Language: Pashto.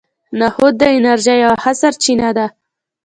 نخود د انرژۍ یوه ښه سرچینه ده.